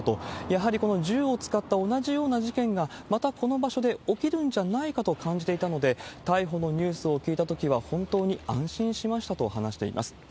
やはりこの銃を使った同じような事件が、またこの場所で起きるんじゃないかと感じていたので、逮捕のニュースを聞いたときは、本当に安心しましたと話しています。